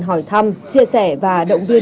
hỏi thăm chia sẻ và động viên